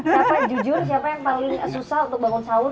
siapa jujur siapa yang paling susah untuk bangun sahur